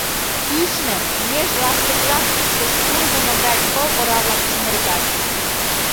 Кӱшнӧ меж ластыклам иктыш ургымо гай пыл ора-влак чумыргат.